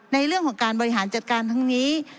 ในเรื่องของการบริหารจัดการทั้งนี้